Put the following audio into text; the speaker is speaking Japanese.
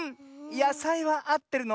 やさいはあってるの。